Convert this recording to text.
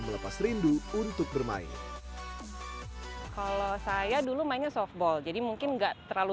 melepas rindu untuk bermain kalau saya dulu mainnya softball jadi mungkin nggak terlalu